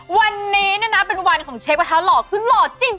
วันนี้เนี่ยนะเป็นวันของเชฟกระทะหล่อคือหล่อจริง